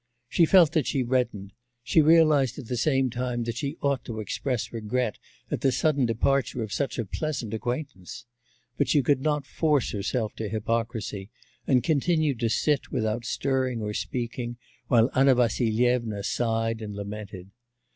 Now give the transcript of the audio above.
She felt that she reddened; she realised at the same time that she ought to express regret at the sudden departure of such a pleasant acquaintance; but she could not force herself to hypocrisy, and continued to sit without stirring or speaking, while Anna Vassilyevna sighed and lamented.